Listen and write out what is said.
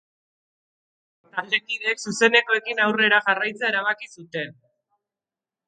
Halere, taldekideek zuzenekoekin aurrera jarraitzea erabaki zuten.